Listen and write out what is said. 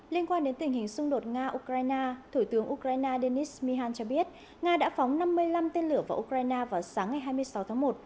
liên quan đến tình hình xung đột nga ukraine thủ tướng ukraine denis michan cho biết nga đã phóng năm mươi năm tên lửa vào ukraine vào sáng ngày hai mươi sáu tháng một